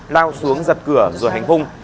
lao xuống giật cửa rồi hành hung